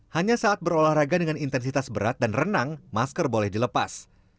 hanya saat berolahraga dengan intensitas berat dan renang masker boleh dilepas